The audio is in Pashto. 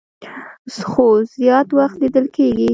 خو زيات وخت ليدل کيږي